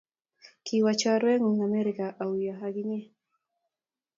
Kiwo chorwet ngung Amerika auyo akinye?